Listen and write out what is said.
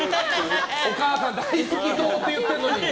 お母さん大好き党って言ってるのに。